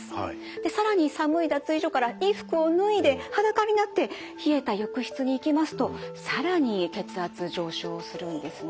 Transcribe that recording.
で更に寒い脱衣所から衣服を脱いで裸になって冷えた浴室に行きますと更に血圧上昇するんですね。